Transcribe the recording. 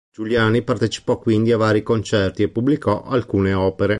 Giuliani partecipò quindi a vari concerti e pubblicò alcune opere.